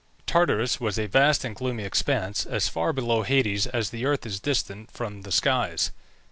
Tartarus was a vast and gloomy expanse, as far below Hades as the earth is distant from the skies.